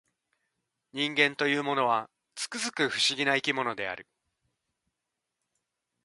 人間というものは、つくづく不思議な生き物である